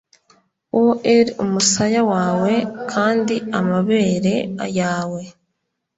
oer umusaya wawe, kandi amabere yawe